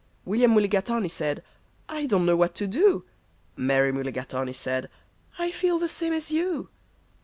William Mulligatawny said, "I don't know what to do." Mary Mulligatawny said, "I feel the same as you."